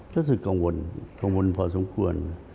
ก็ต้องเรื่องกังวลขังวลพอสมควร